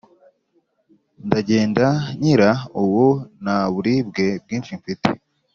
ndagenda nkira ubu ntaburibwe bwinshi mfite"